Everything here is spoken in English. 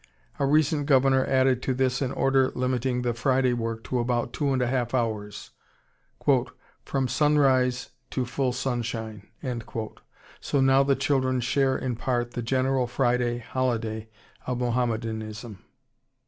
A recent Governor added to this an order limiting the Friday work to about two and a half hours, "from sunrise to full sunshine," so now the children share in part the general Friday holiday of Mohammedanism.